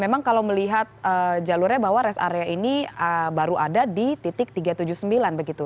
memang kalau melihat jalurnya bahwa rest area ini baru ada di titik tiga ratus tujuh puluh sembilan begitu